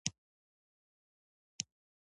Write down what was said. جرمني ماتې وخوړه او اوس یې سیاسیون لېونیان ګڼې